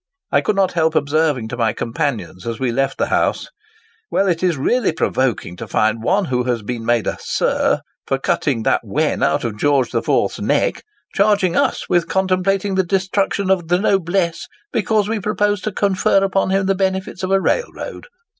1 could not help observing to my companions as we left the house, 'Well, it is really provoking to find one who has been made a "Sir" for cutting that wen out of George the Fourth's neck, charging us with contemplating the destruction of the noblesse, because we propose to confer upon him the benefits of a railroad.